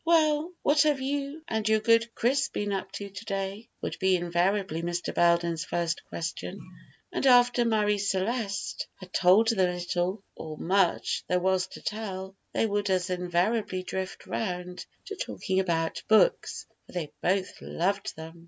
"Well, what have you and your good Chris been up to to day?" would be invariably Mr. Belden's first question; and after Marie Celeste had told the little or much there was to tell, they would as invariably drift round to talking about books, for they both loved them.